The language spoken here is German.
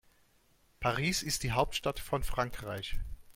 Paris ist die Hauptstadt von Frankreich.